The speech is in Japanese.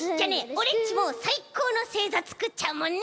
オレっちもさいこうのせいざつくっちゃうもんね。